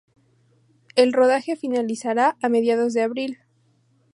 El rodaje finalizará a mediados de abril.